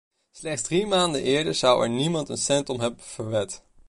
Slechts drie maanden eerder zou er niemand een cent om hebben verwed.